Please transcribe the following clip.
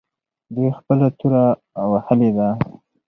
دوی خپله توره وهلې ده.